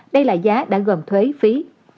đây là giá đã gồm thuế phí